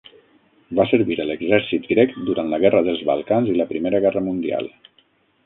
Va servir a l'exèrcit grec durant la guerra dels Balcans i la primera guerra mundial.